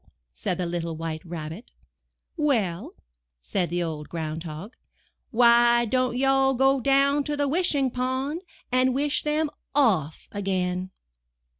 said the little White Rabbit. "Well," said the Old Ground Hog, 'Vhy don't you all go down to the Wishing Pond and wish them o// again?"